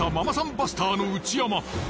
バスターの内山。